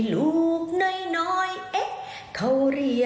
อยากกินแต่ยังไม่ออกเลย